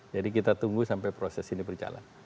jadi kita tunggu sampai proses ini berjalan